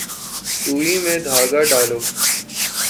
سوئی میں دھاگہ ڈالو۔